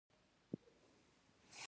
د عمر ډېر خوښېدل چې نورې ژبې زده کړي.